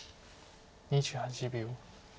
２８秒。